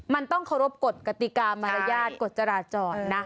มันต้องเคารพกฎกติกามารยาทกฎจราจรนะ